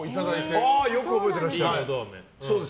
よく覚えてらっしゃる。